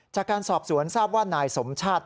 จากการสอบสวนทราบว่านายสมชาติ